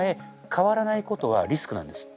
変わらないことはリスクなんです。